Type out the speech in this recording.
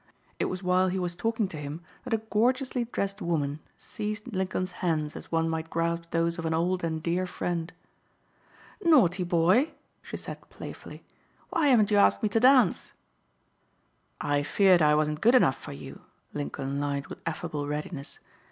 It was while he was talking to him that a gorgeously dressed woman seized Lincoln's hands as one might grasp those of an old and dear friend. "Naughty boy," she said playfully. "Why haven't you asked me to dance?" "I feared I wasn't good enough for you," Lincoln lied with affable readiness.